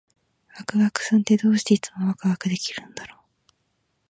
ワクワクさんって、どうしていつもワクワクできるんだろう？